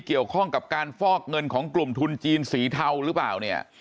เกี่ยวข้องกับการฟอกเงินของกลุ่มทุนจีนสีเทาหรือเปล่าเนี่ย